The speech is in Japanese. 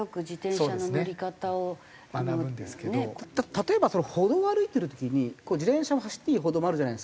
例えば歩道を歩いてる時に自転車も走っていい歩道もあるじゃないですか。